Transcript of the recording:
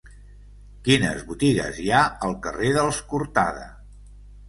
Quines botigues hi ha al carrer dels Cortada?